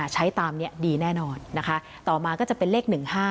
ใช้ตามนี้ดีแน่นอนนะคะต่อมาก็จะเป็นเลข๑๕